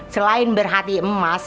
selain berhati emas